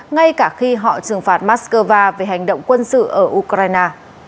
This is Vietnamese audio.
ngay cả khi họ trừng phạt moscow về hành động quân sự ở ukraine